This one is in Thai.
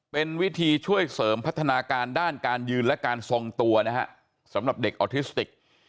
เป็นวิธีช่วยเสริมพัฒนาการด้านการยืนและการทรงตัวนะฮะสำหรับเด็กออทิสติก